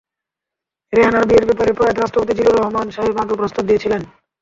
রেহানার বিয়ের ব্যাপারে প্রয়াত রাষ্ট্রপতি জিল্লুর রহমান সাহেব আগেই প্রস্তাব দিয়েছিলেন।